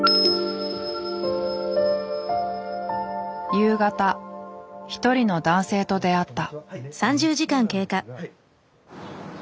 夕方一人の男性と出会った。